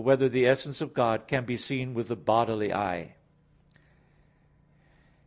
3] Whether the Essence of God Can Be Seen with the Bodily Eye?